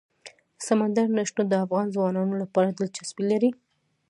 سمندر نه شتون د افغان ځوانانو لپاره دلچسپي لري.